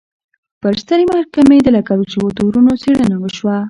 پر سترې محکمې د لګول شویو تورونو څېړنه وشوه.